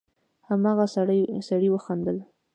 هماغه سړي وخندل: